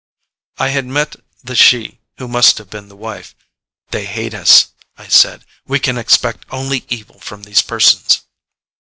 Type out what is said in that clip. I had met the she who must have been the wife. "They hate us," I said. "We can expect only evil from these persons."